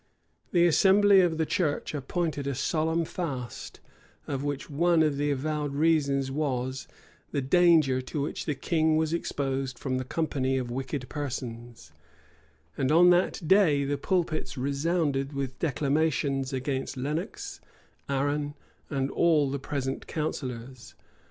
The assembly of the church appointed a solemn fast; of which one of the avowed reasons was, the danger to which the king was exposed from the company of wicked persons: [] and on that day the pulpits resounded with declamations against Lenox, Arran, and all the present counsellors.